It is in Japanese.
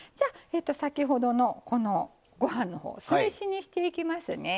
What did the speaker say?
先ほどの、ご飯のほうを酢飯にしていきますね。